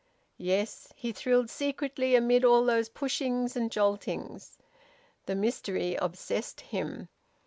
Yes, he thrilled secretly amid all those pushings and joltings! The mystery obsessed him.